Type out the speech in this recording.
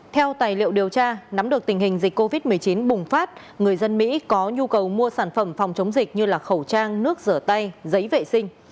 theo tài liệu điều tra nắm được tình hình dịch covid một mươi chín bùng phát người dân mỹ có nhu cầu mua sản phẩm phòng chống dịch như khẩu trang nước rửa tay giấy vệ sinh